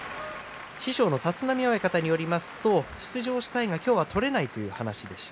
師匠の立浪親方によりますと出場したいが今日は取れないという話でした。